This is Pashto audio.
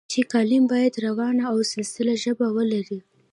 چې کالم باید روانه او سلیسه ژبه ولري.